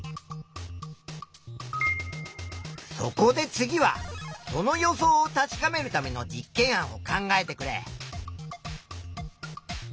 そこで次はその予想を確かめるための実験案を考えてくれ。